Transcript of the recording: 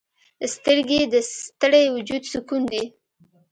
سترګې د ستړي وجود سکون دي